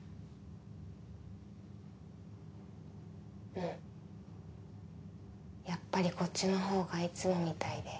うんやっぱりこっちのほうがいつもみたいでいい。